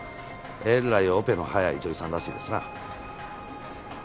えらいオペの早い女医さんらしいですな。